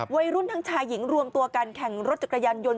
วัยรุ่นทั้งชายหญิงรวมตัวกันแข่งรถจักรยานยนต์